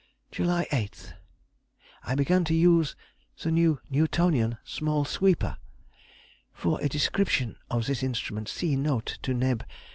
July 8.—I began to use the new Newtonian small sweeper, (for a description of this instrument see note to Neb.